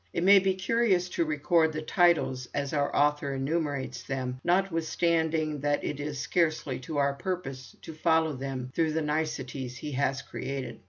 It may be curious to record the titles as our author enumerates them, notwithstanding that it is scarcely to our purpose to follow him through the niceties he has created.